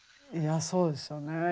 いやそうですよね。